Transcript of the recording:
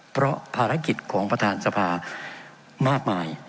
เพราะภารกิจของประธานสภามากมาย